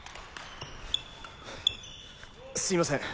すいません。